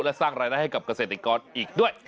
และสร้างรายได้ให้กับเกษตรกรอีกด้วย